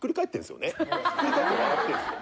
ひっくり返って笑ってるんですよ。